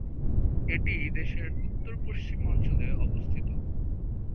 এটি দেশটির উত্তর-পশ্চিম অঞ্চলে অবস্থিত।